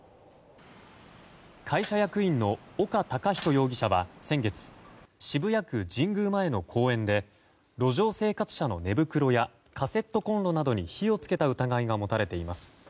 会社役員の岡孝人容疑者は先月渋谷区神宮前の公園で路上生活者の寝袋やカセットコンロなどに火を付けた疑いが持たれています。